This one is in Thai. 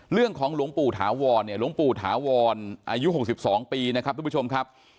เรื่องของหลงปู่ถาวรหลงปู่ถาวรอายุ๖๒ปีนะครับท่านผู้ชมครับ